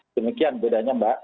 demikian bedanya mbak